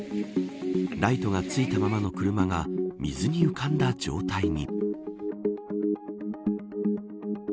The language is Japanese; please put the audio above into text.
ライトがついたままの車が水に浮かんだ状態に。